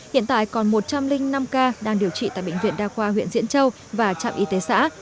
hiện tại còn một trăm linh năm ca đang điều trị tại bệnh viện đa khoa huyện diễn châu và trạm y tế xã